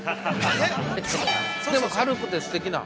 でも、軽くてすてきな。